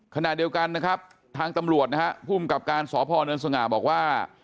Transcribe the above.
ขณะเดียวกันนะครับทางตำรวจนะฮะภูมิกับการสพเนินสง่าบอกว่า